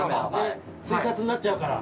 追撮になっちゃうから。